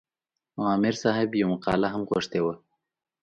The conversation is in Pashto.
عامر صاحب یوه مقاله هم غوښتې وه.